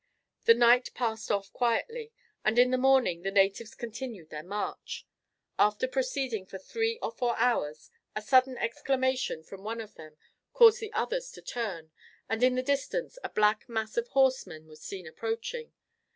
The night passed off quietly, and in the morning the natives continued their march. After proceeding for three or four hours a sudden exclamation from one of them caused the others to turn, and in the distance a black mass of horsemen was seen approaching.